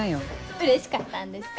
うれしかったんですか？